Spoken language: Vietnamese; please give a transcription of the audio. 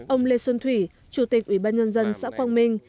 ông lê xuân thủy chủ tịch ủy ban nhân dân xã quang minh